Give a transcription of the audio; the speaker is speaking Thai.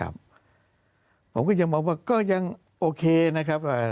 ผมก็ยังมองว่าก็ยังโอเคนะครับ